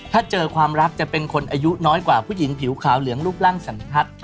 ถ้าเจอความรักจะเป็นคนอายุน้อยกว่าผู้หญิงผิวขาวเหลืองรูปร่างสันทัศน์